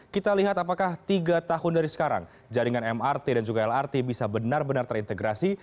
kita lihat apakah tiga tahun dari sekarang jaringan mrt dan juga lrt bisa benar benar terintegrasi